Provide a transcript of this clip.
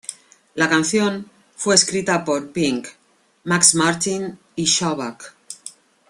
La canción fue escrita por Pink, Max Martin y Shellback.